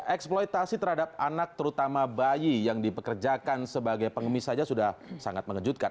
eksploitasi terhadap anak terutama bayi yang dipekerjakan sebagai pengemis saja sudah sangat mengejutkan